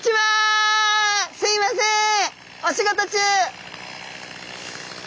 すいません。